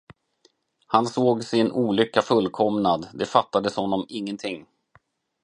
Han såg sin olycka fullkomnad, det fattades honom ingenting.